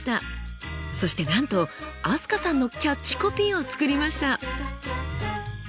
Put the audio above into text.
そしてなんと飛鳥さんのキャッチコピーを作りました。